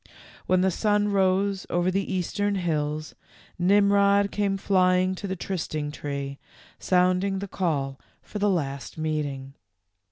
When the sun rose over the eastern hills Nimrod came flying to the trysting tree, sounding the call for the last meeting.